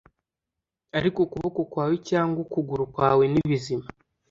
Ariko ukuboko kwawe cyangwa ukuguru kwawe nibizima